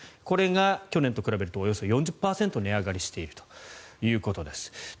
これが去年と比べるとおよそ４０％値上がりしているということです。